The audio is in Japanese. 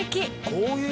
こういう。